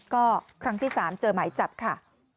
ก็ครั้งที่๓เจอหมายจับค่ะ